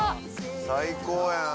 最高やん。